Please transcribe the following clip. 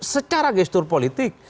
secara gestur politik